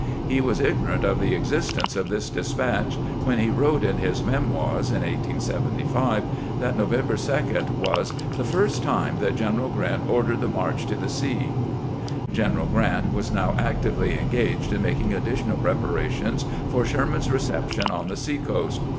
He was ignorant of the existence of this despatch when he wrote in his " Memoirs," in 1875, that November 2 was " the first time that General Grant or dered the march to the sea." General Grant was now actively engaged in making additional preparations for Sherman's reception on the sea coast.